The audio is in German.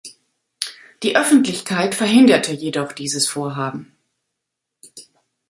Die Öffentlichkeit verhinderte jedoch dieses Vorhaben.